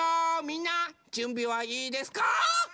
みんなじゅんびはいいですか？